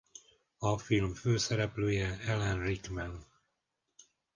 A film főszereplője Alan Rickman.